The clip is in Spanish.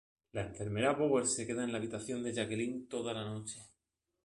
La enfermera Bowers se queda en la habitación de Jacqueline toda la noche.